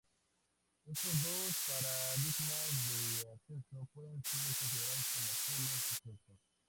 Estos dos paradigmas de acceso pueden ser considerados como polos opuestos.